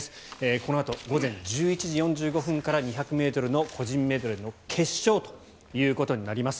このあと午前１１時４５分から２００ｍの個人メドレーの決勝ということになります。